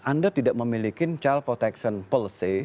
anda tidak memiliki child protection per se